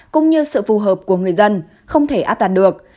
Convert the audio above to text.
cũng như sự phù hợp của người dân không thể áp đặt được